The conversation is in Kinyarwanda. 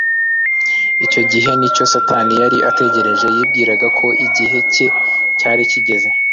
Icyo ni cyo gihe Satani yari ategereje. Yibwiraga ko igihe cye cyari kigeze,